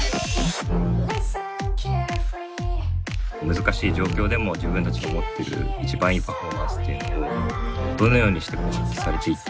難しい状況でも自分たちが持ってる一番いいパフォーマンスっていうのをどのようにして発揮されていったのかな。